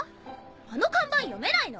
あの看板読めないの？